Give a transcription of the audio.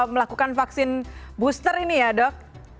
melakukan vaksin booster ini ya dok